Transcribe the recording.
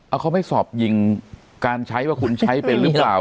เอาเขาไม่สอบยิงการใช้ว่าคุณใช้เป็นหรือเปล่า